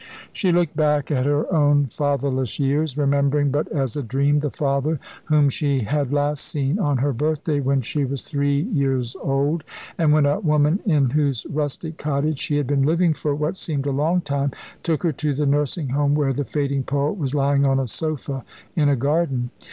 She looked back at her own fatherless years remembering but as a dream the father whom she had last seen on her birthday, when she was three years old and when a woman in whose rustic cottage she had been living for what seemed a long time, took her to the nursing home where the fading poet was lying on a sofa in a garden.